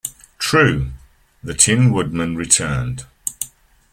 "True," the Tin Woodman returned.